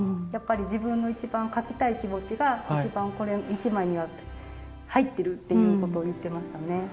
やっぱり自分の一番描きたい気持ちが一番これ１枚には入ってるっていうことを言ってましたね。